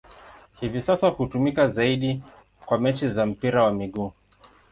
Hivi sasa hutumika zaidi kwa mechi za mpira wa miguu.